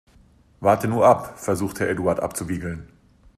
Warte nur ab, versucht Herr Eduard abzuwiegeln.